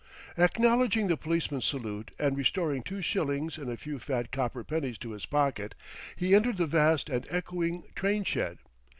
Acknowledging the policeman's salute and restoring two shillings and a few fat copper pennies to his pocket, he entered the vast and echoing train shed.